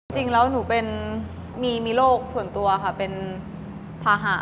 จริงแล้วหนูมีโรคส่วนตัวเป็นพาหะ